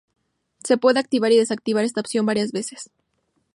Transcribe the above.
Se puede activar y desactivar esta opción varias veces.